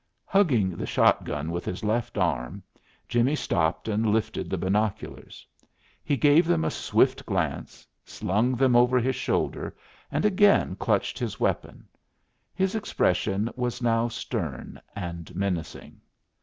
Hugging the shotgun with his left arm, Jimmie stopped and lifted the binoculars. He gave them a swift glance, slung them over his shoulder, and again clutched his weapon. His expression was now stern and menacing.